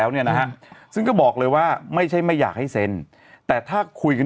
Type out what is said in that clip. แล้วเนี่ยนะฮะซึ่งก็บอกเลยว่าไม่ใช่ไม่อยากให้เซ็นแต่ถ้าคุยกัน